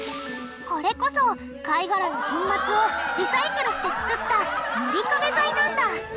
これこそ貝がらの粉末をリサイクルしてつくった塗り壁材なんだ。